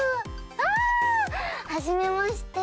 あはじめまして。